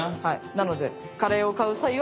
なので。